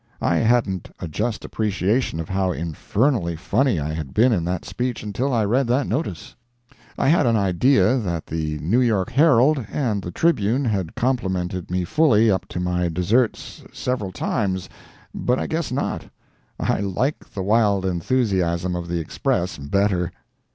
I hadn't a just appreciation of how infernally funny I had been in that speech until I read that notice. I had an idea that the New York Herald and the Tribune had complimented me fully up to my deserts several times, but I guess not—I like the wild enthusiasm of the Express better.